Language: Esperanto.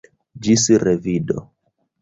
Ĝis revido